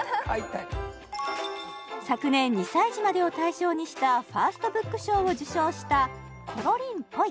昨年２歳児までを対象にしたファーストブック賞を受賞した「ころりん・ぽい！」